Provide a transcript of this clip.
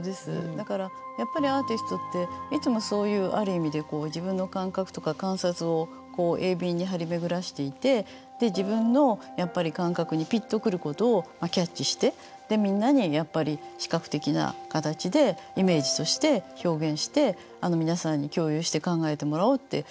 だからやっぱりアーティストっていつもそういうある意味で自分の感覚とか観察を鋭敏に張り巡らしていて自分のやっぱり感覚にピッとくることをキャッチしてでみんなにやっぱり視覚的な形でイメージとして表現して皆さんに共有して考えてもらおうっていつも思ってますね